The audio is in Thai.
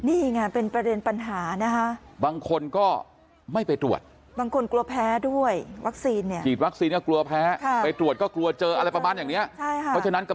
นี่ไงเป็นประเด็นปัญหานะฮะ